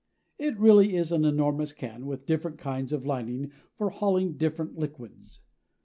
It really is an enormous can with different kinds of lining for hauling different liquids.